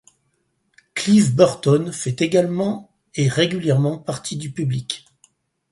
Cliff Burton fait également et régulièrement partie du public.